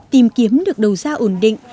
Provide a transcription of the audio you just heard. tìm kiếm được đầu gia ổn định